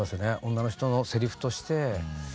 女の人のせりふとして。